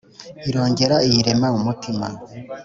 Irongera iyirema umutima